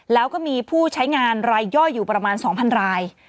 แล้วก็มีผู้ใช้งานรายย่อยอยู่ประมาณ๒๐๐ราย